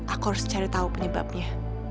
aku harus cari tahu penyebabnya